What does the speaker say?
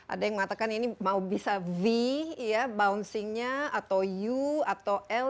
ada yang mengatakan ini mau bisa v bouncingnya atau u atau l